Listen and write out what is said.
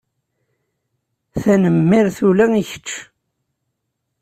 Tanemmirt! Ula i kečč!